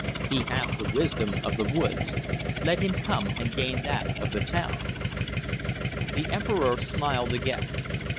"He hath the wisdom of the woods; let him come and gain that of the town." The Emperor smiled again.